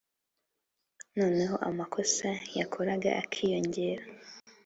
Noneho amakosa yakoraga akiyongera